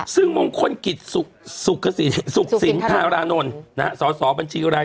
ซึ่งมงคลกิจสุขสินธารานนท์สอสอบัญชีราย